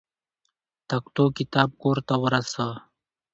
تکتو کتاب کور ته ورسه.